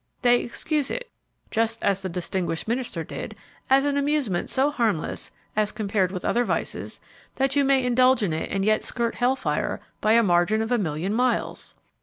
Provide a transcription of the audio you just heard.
They excuse it, just as the distinguished minister did, as an amusement so harmless, as compared with other vices, that you may indulge it and yet skirt hell fire by a margin of a million miles.